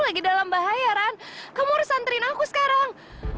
lagi dalam bahaya ran kamu harus anterin aku sekarang